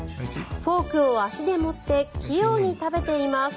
フォークを足で持って器用に食べています。